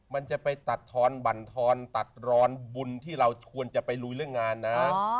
มันจะไปตัดทอนบรรทอนตัดรอนบุญที่เราควรจะไปลุยเรื่องงานนะ